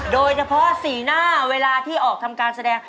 โดยเฉพาะสีหน้าเวลาที่ออกทำการแสดง